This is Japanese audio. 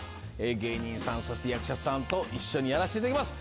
芸人さん、役者さんと一緒にやらせていただきます。